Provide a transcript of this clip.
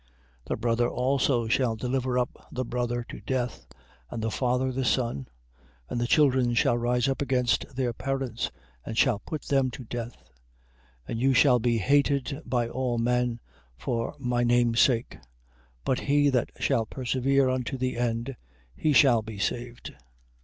10:21. The brother also shall deliver up the brother to death, and the father the son; and the children shall rise up against their parents, and shall put them to death. 10:22. And you shall be hated by all men for my name's sake: but he that shall persevere unto the end, he shall be saved.